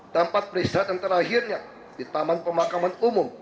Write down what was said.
tempat peristirahat yang terakhirnya di taman pemakaman umum